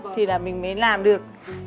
thì là mình mới làm được